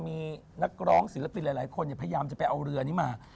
มีนักร้องศิลปินหลายคนพยายามจะไปเอาเรือนี้มา